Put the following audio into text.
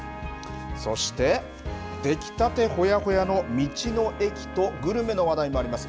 そして出来たてほやほやの道の駅と、グルメの話題もあります。